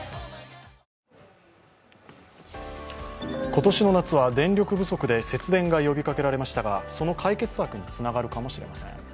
今年の夏は電力不足で節電が呼びかけられましたがその解決策につながるかもしれません。